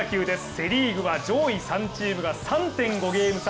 セ・リーグは上位３チームが３．５ゲーム差。